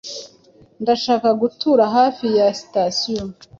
Ndashaka gutura hafi ya sitasiyo.